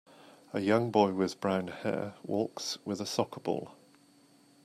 A young boy with brown hair walks with a soccer ball.